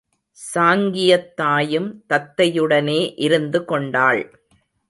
சாங்கியத்தாயும் தத்தையுடனே இருந்து கொண்டாள்.